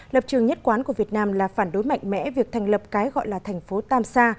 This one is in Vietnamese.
lập trường nhất quán của việt nam là phản đối mạnh mẽ việc thành lập cái gọi là thành phố tam sa